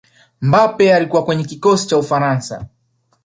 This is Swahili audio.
mbappe alikuwa kwenye kikosi cha ufaransa